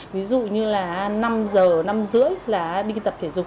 ví dụ như là năm giờ năm rưỡi là đi tập thể dục